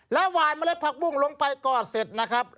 แล้วหวานเมล็ดผักบุ้งลงไปกอดเสร็จนะครับ